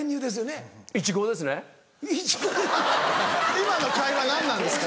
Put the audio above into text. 今の会話何なんですか？